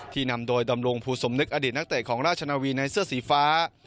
นำโดยดำรงภูสมนึกอดีตนักเตะของราชนาวีในเสื้อสีฟ้า